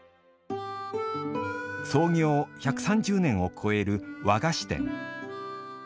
創業１３０年をこえる和菓子店。